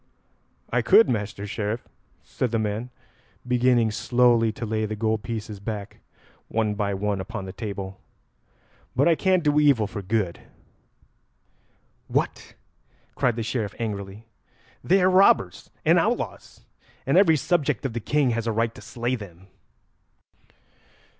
"I could, Master Sheriff," said the man, beginning slowly to lay the gold pieces back one by one upon the table; "but I can't do evil for good." "What?" cried the Sheriff angrily. "They are robbers and outlaws, and every subject of the King has a right to slay them."